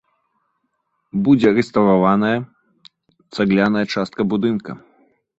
Будзе рэстаўраваная цагляная частка будынка.